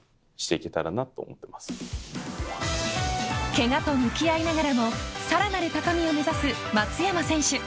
けがと向き合いながらもさらなる高みを目指す松山選手。